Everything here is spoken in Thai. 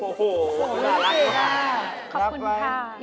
โอ้โฮรักมากครับรับไว้ขอบคุณค่ะ